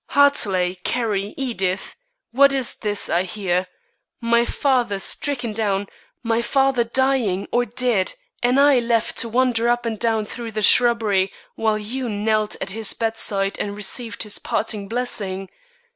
"Hartley! Carrie! Edith! what is this I hear? My father stricken down, my father dying or dead, and I left to wander up and down through the shrubbery, while you knelt at his bedside and received his parting blessing?